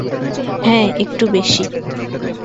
হ্যাঁ, একটু বেশি।